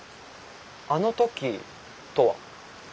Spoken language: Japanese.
あの時とは？